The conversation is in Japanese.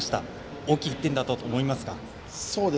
大きい１点だったと思いますか。